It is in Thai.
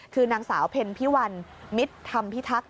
คือนางสาวเพ็ญพิวัลมิตรธรรมพิทักษ